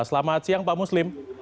selamat siang pak muslim